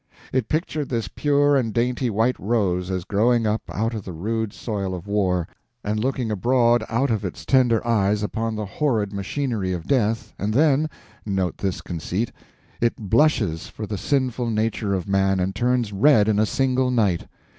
It pictured this pure and dainty white rose as growing up out of the rude soil of war and looking abroad out of its tender eyes upon the horrid machinery of death, and then—note this conceit—it blushes for the sinful nature of man, and turns red in a single night.